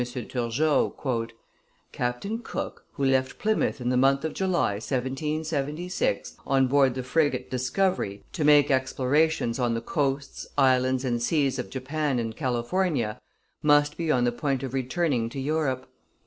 Turgot: "Captain Cook, who left Plymouth in the month of July, 1776, on board the frigate Discovery, to make explorations on the coasts, islands, and seas of Japan and California, must be on the point of returning to Europe.